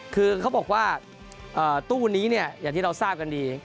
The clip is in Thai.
คือเขาบอกว่าตู้นี้เนี่ยอย่างที่เราทราบกันดี